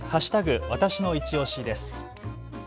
わたしのいちオシです。